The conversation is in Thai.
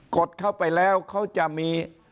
ดเข้าไปแล้วเขาจะมี